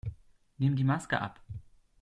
Nimm die Maske ab!